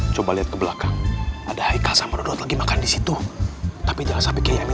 coba lihat ke belakang ada ikan sama lagi makan di situ tapi jangan sampai